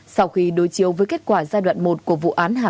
sau khi đối chiếu với kết quả giai đoạn một của vụ án hà nội